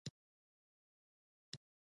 فکر کوي ټولنیز ارزښتونه یې په نظر کې نیولي.